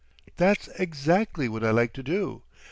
"That's exactly what I'd like to do.